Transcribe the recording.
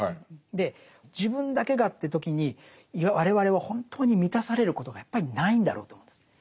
で自分だけがという時に我々は本当に満たされることがやっぱりないんだろうと思うんです。